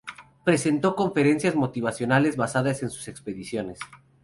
Presentó conferencias motivacionales basadas en sus expediciones.